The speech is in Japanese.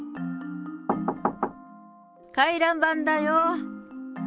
回覧板だよー。